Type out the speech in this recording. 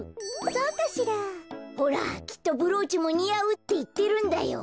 ほらきっとブローチもにあうっていってるんだよ。